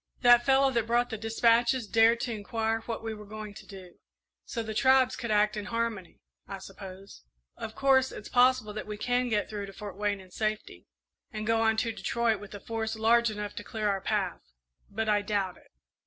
That fellow that brought the despatches dared to inquire what we were going to do so the tribes could act in harmony, I suppose! Of course, it's possible that we can get through to Fort Wayne in safety, and go on to Detroit with a force large enough to clear our path but I doubt it."